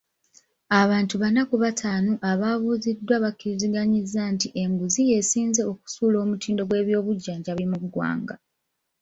Abantu bana ku bataano abaabuuziddwa bakkiriziganyizza nti enguzi y'esinze okusuula omutindo gw'ebyobujjanjabi mu ggwanga.